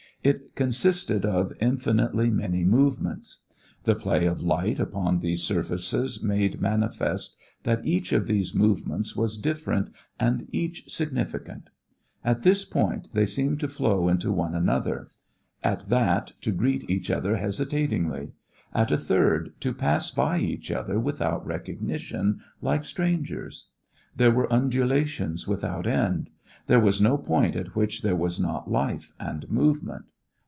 It consisted of infinitely many movements. The play of light upon these surfaces made manifest that each of these movements was different and each significant. At this point they seemed to flow into one another; at that, to greet each other hesitatingly; at a third, to pass by each other without recognition, like strangers. There were undulations without end. There was no point at which there was not life and movement.